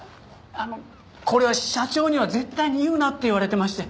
あのこれは社長には絶対に言うなって言われてまして。